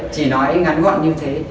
chỉ nói ngắn gọn như thế